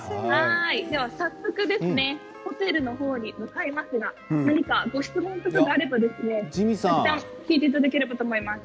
では早速ホテルの方に向かいますが何か、ご質問とかがあれば聞いていただければと思います。